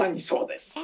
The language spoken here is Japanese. そうです。